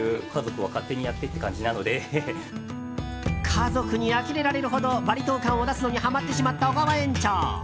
家族にあきれられるほどバリ島感を出すのにハマってしまった小川園長。